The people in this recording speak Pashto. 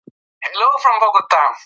ماشوم د مور له لارښوونې خوندي وي.